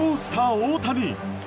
大谷！